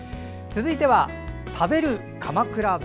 続いては「食べる！